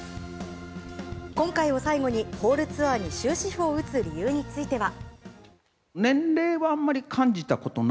今回を最後に、ホールツアーに終止符を打つ理由については。